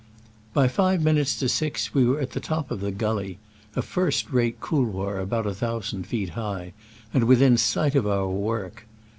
By five minutes to six we were at the top of the gully (a first rate couloir about one thousand feet high), and within sight of our work.